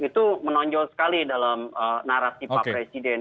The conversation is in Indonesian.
itu menonjol sekali dalam narasi pak presiden